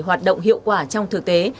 hoạt động hiệu quả trong thực tế